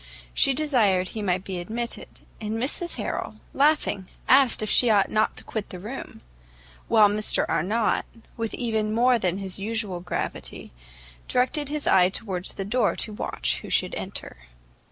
She desired he might be admitted; and Mrs Harrel, laughing, asked if she ought not to quit the room; while Mr Arnott, with even more than his usual gravity, directed his eye towards the door to watch who should enter.